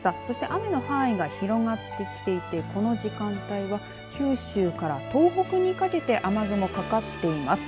雨の範囲が広がってきていてこの時間は九州から東北にかけて雨雲、かかっています。